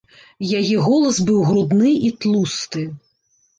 Яе голас быў грудны і тлусты.